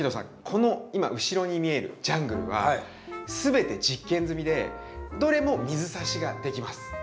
この今後ろに見えるジャングルは全て実験済みでどれも水挿しができます。